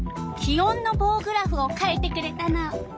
気温のぼうグラフを書いてくれたの。